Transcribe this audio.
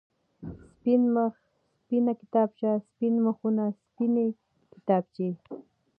سپين مخ، سپينه کتابچه، سپين مخونه، سپينې کتابچې.